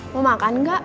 mau makan gak